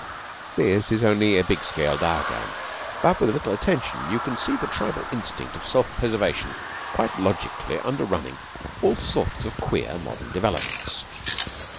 This is only a big scale diagram, but with a little attention you can see the tribal instinct of self preservation quite logically underrunning all sorts of queer modern developments.